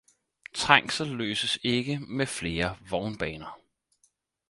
Trængsel løses ikke med flere vognbaner